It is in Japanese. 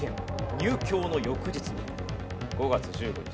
入京の翌日に５月１５日